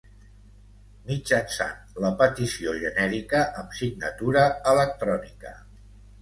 Mitjançant la petició genèrica amb signatura electrònica.